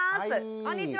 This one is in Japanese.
こんにちは。